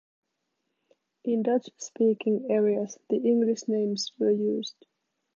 In Dutch-speaking areas, the English names were used.